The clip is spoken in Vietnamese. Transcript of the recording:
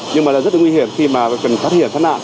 nhưng rất là nguy hiểm khi cần thoát hiểm thoát nạn